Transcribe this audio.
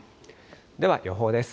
では予報です。